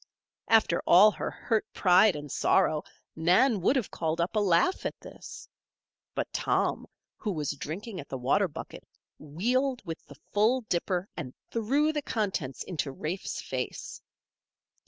After all her hurt pride and sorrow, Nan would have called up a laugh at this. But Tom, who was drinking at the water bucket, wheeled with the full dipper and threw the contents into Rafe's face.